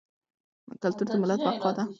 کلتور د ملت بقا ده.